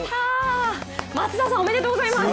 松田さん、おめでとうございます。